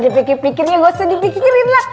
dia udah dipikir pikirin gak usah dipikirin lah